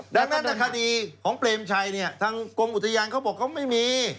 ดังนั้นคดีของเปรมชัยเนี่ยทางกรมอุทยานเขาบอกเขาไม่มี